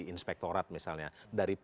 inspektorat misalnya dari